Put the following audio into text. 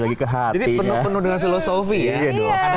lagi ke hatinya penuh dengan filosofi ya